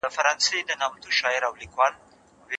که ملالۍ یاده کړو نو غیرت نه مري.